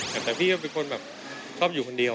แต่พี่ก็เป็นคนแบบชอบอยู่คนเดียว